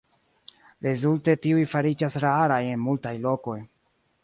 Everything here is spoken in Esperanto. Rezulte tiuj fariĝas raraj en multaj lokoj.